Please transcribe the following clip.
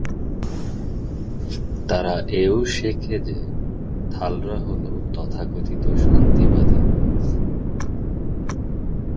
তারা এও শেখে যে, থালরা হল তথাকথিত শান্তিবাদী।